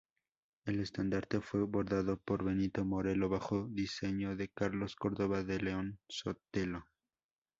El estandarte fue bordado por Benito Molero, bajo diseño de Carlos Córdoba de León-Sotelo.